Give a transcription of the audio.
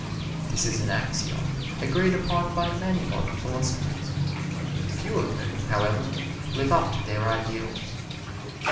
This is an axiom agreed upon by many modern philosophers, few of whom, however, live up to their ideals.